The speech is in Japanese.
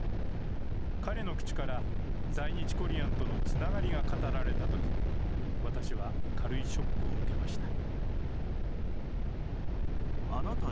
彼の口から在日コリアンとのつながりが語られたとき、私は軽いショックを受けました。